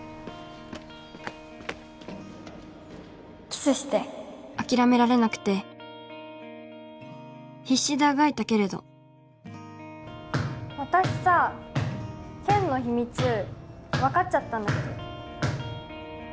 キスして諦められなくて必死であがいたけれど私さ健の秘密分かっちゃったんだけど